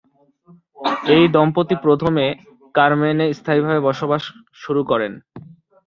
এই দম্পতি প্রথমে কারমেনে স্থায়ীভাবে বসবাস শুরু করেন।